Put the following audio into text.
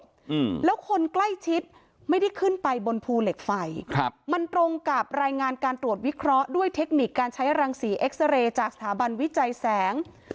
อืมแล้วคนใกล้ชิดไม่ได้ขึ้นไปบนภูเหล็กไฟครับมันตรงกับรายงานการตรวจวิเคราะห์ด้วยเทคนิคการใช้รังสีเอ็กซาเรย์จากสถาบันวิจัยแสง